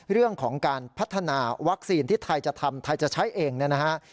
เรื่องของการพัฒนาวัคซีนที่ไทยจะทำไทยจะใช้เองเนี่ยนะฮะ